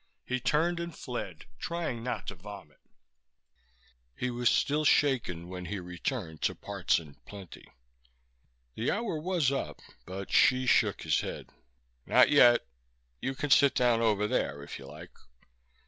He turned and fled, trying not to vomit. He was still shaken when he returned to Parts 'n Plenty. The hour was up but Hsi shook his head. "Not yet. You can sit down over there if you like."